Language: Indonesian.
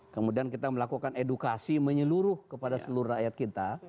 kemudian kita melakukan edukasi menyeluruh kepada seluruh rakyat kita